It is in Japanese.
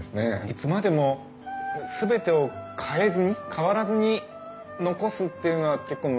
いつまでも全てを変えずに変わらずに残すっていうのは結構難しいと思うんですよね。